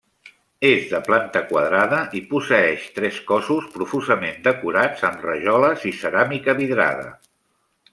És de planta quadrada i posseeix tres cossos profusament decorats amb rajoles i ceràmica vidrada.